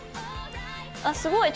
あっすごい！